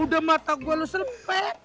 udah mata gua lu selepet